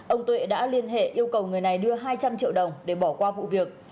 ông tuệ đã liên hệ yêu cầu người này đưa hai trăm linh triệu đồng để bỏ qua vụ việc